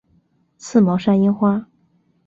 刺毛山樱花